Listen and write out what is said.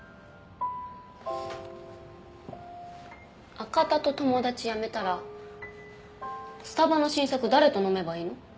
赤田と友達やめたらスタバの新作誰と飲めばいいの？